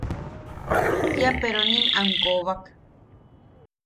Kia peronim am koobak.